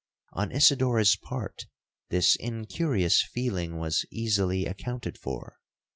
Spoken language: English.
On Isidora's part this incurious feeling was easily accounted for.